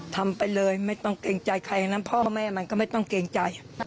ทำไปเลยไม่ต้องเกรงใจใครนะพ่อแม่มันก็ไม่ต้องเกรงใจ